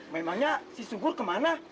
memangnya si sungkur ke mana